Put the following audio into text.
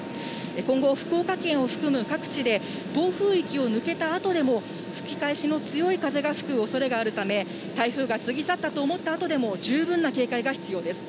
今後、福岡県を含む各地で暴風域を抜けたあとでも、吹き返しの強い風が吹くおそれがあるため、台風が過ぎ去ったと思ったあとでも、十分な警戒が必要です。